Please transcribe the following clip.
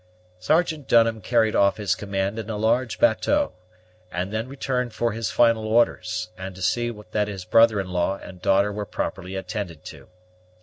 Sergeant Dunham carried off his command in a large bateau, and then returned for his final orders, and to see that his brother in law and daughter were properly attended to.